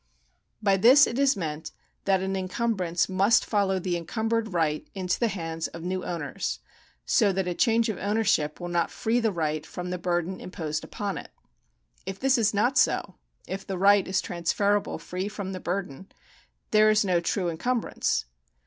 By this it is meant that an encumbrance must follow the encumbered right into the hands of new owners, so that a change of ownership will not free the right from the burden imposed upon it. If this is not so — if the right is transferable free from the burden — there is no true encumbrance.